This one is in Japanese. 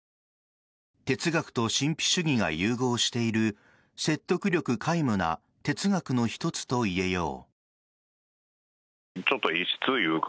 哲学と神秘主義が融合している説得力皆無な哲学の一つといえよう。